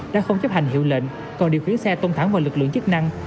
đã không chấp hành hiệu lệnh còn điều khiển xe tông thẳng vào lực lượng chức năng